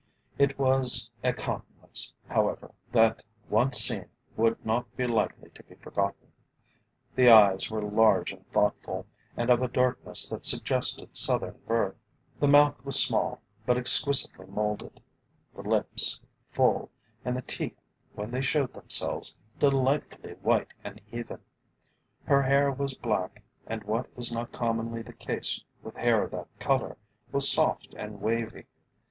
It was a countenance, however, that once seen would not be likely to be forgotten. The eyes were large and thoughtful, and of a darkness that suggested Southern birth. The mouth was small, but exquisitely moulded, the lips full, and the teeth, when they showed themselves, delightfully white and even. Her hair was black and, what is not commonly the case with hair of that colour, was soft and wavy.